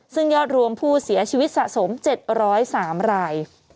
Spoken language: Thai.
ซึ่งยอดรวมผู้เสียชีวิตสะสม๗๐๓ราย